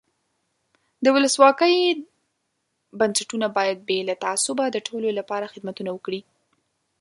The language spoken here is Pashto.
د ولسواکۍ بنسټونه باید بې له تعصبه د ټولو له پاره خدمتونه وکړي.